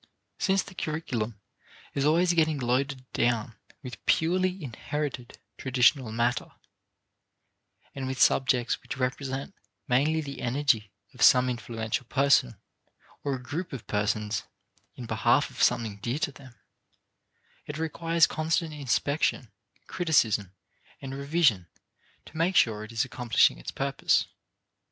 Since the curriculum is always getting loaded down with purely inherited traditional matter and with subjects which represent mainly the energy of some influential person or group of persons in behalf of something dear to them, it requires constant inspection, criticism, and revision to make sure it is accomplishing its purpose.